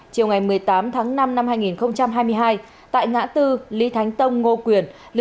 chiều ngày một mươi tám tháng năm năm hai nghìn hai mươi hai tại ngã tư lý thánh tông ngô quyền